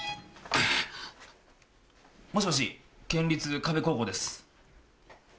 もしもし県立壁高校です。